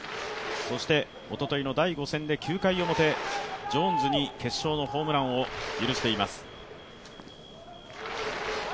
そしておとといの第５戦で９回表、ジョーンズに決勝のホームランを許しています。